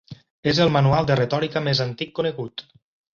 És el manual de retòrica més antic conegut.